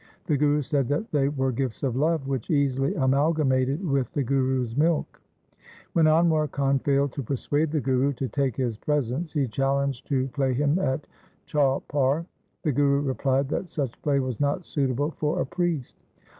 The Guru said that they were gifts of love which easily amalgamated with the Guru's milk. When Anwar Khan failed to persuade the Guru to take his presents, he challenged to play him at chaupai. The Guru replied that such play was not suitable for a priest.